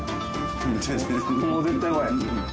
もう絶対うまい。